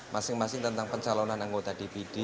masing masing tentang pencalonan anggota dpd